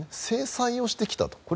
制裁をしてきたと。